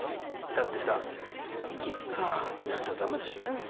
だってさ息はってなっちゃ駄目でしょう。